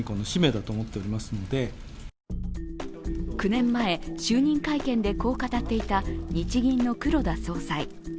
９年前、就任会見でこう語っていた日銀の黒田総裁。